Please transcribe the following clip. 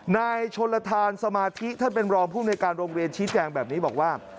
นายชนลทานสมาธิท่านเป็นรองภูมิในการโรงเรียนชี้แจงแบบนี้บอกว่า